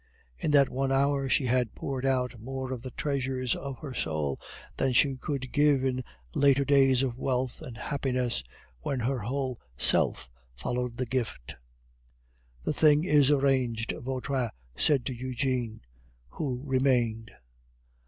In that one hour she had poured out more of the treasures of her soul than she could give in later days of wealth and happiness, when her whole self followed the gift. "The thing is arranged," Vautrin said to Eugene, who remained.